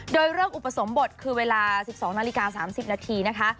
โดยเริ่มอุปสมบทคือเวลา๑๒นาฬิกา๓๐นาทีนะคะ